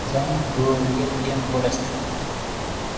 • Ma’rasang ― bo‘riga yem bo‘lasan, ma’ramasang ― cho‘pon so‘yib yuboradi.